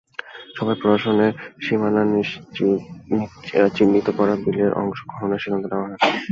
সভায় প্রশাসনের সীমানা চিহ্নিত করা বিলের অংশ খননের সিদ্ধান্ত নেওয়া হয়।